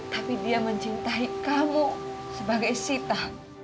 tapi dia mencintai kamu sebagai sita